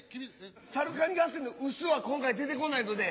『さるかに合戦』の臼は今回出てこないので。